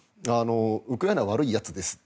ウクライナ、悪いやつです